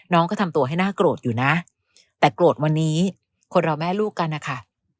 น้องก็ทำตัวให้น่าโกรธอยู่นะแต่โกรธวันนี้คนเราแม่ลูกกันนะคะ